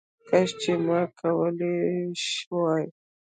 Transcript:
کش چي ما کولې شواې